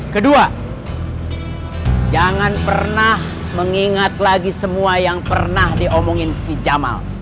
kedua jangan pernah mengingat lagi semua yang pernah diomongin si jamal